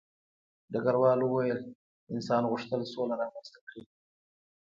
ډګروال وویل انسان غوښتل سوله رامنځته کړي